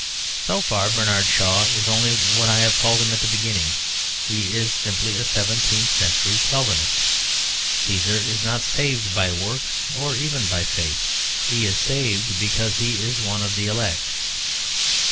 So far Bernard Shaw is only what I have called him at the beginning; he is simply a seventeenth century Calvinist. Cæsar is not saved by works, or even by faith; he is saved because he is one of the elect.